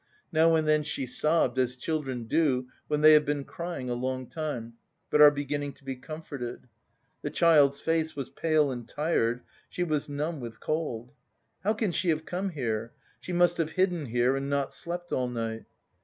Now and then she sobbed as children do when they have been crying a long time, but are beginning to be comforted. The child's face was pale and tired, she was numb with cold. "How can she have come here? She must have hidden here and not slept all night."